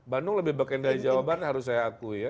bandung lebih bagian dari jawa barat harus saya akui ya